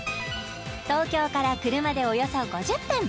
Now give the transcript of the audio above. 東京から車でおよそ５０分